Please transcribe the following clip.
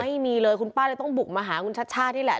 ไม่มีเลยคุณป้าเลยต้องบุกมาหาคุณชัชชาตินี่แหละ